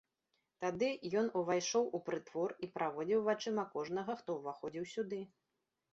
Тады ён увайшоў у прытвор і праводзіў вачыма кожнага, хто ўваходзіў сюды.